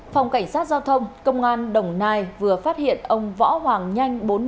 phòng cảnh sát giao thông công an đồng nai vừa phát hiện ông võ hoàng nhanh